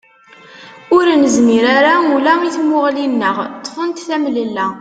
Ur nezmir ara ula i tmuɣli-nneɣ, ṭṭfent temlella.